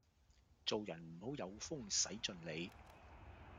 做人唔好有風使盡 𢃇